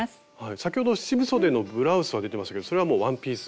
先ほど七分そでのブラウスは出てましたけどそれはワンピース。